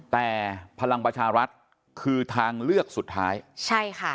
แต่พลังประชารัฐคือทางเลือกสุดท้ายใช่ค่ะ